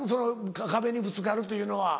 壁にぶつかるというのは。